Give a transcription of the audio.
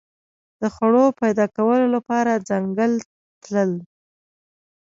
د خوړو پیدا کولو لپاره ځنګل تلل.